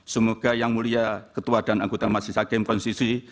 semoga yang mulia ketua dan anggota majelis hakim konstitusi